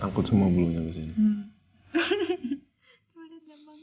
takut semua belunya kesini